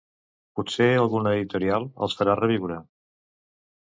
Potser alguna editorial els farà reviure.